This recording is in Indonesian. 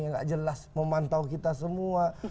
nggak jelas memantau kita semua